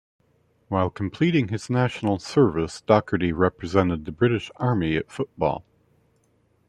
While completing his National service, Docherty represented the British Army at football.